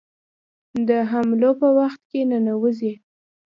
د حملو په وخت کې ننوزي.